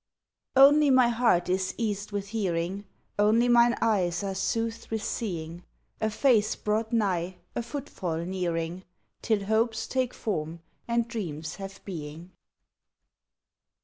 Only my heart is eased with hearing, Only mine eyes are soothed with seeing, A face brought nigh, a footfall nearing, Till hopes take form and dreams have being.